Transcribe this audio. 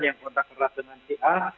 yang kontak erat dengan si a